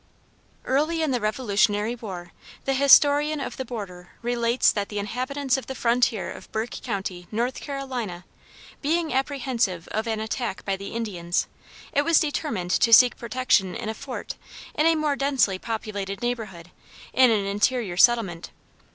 Early in the Revolutionary War, the historian of the border relates that the inhabitants of the frontier of Burke County, North Carolina, being apprehensive of an attack by the Indians, it was determined to seek protection in a fort in a more densely populated neighborhood, in an interior settlement.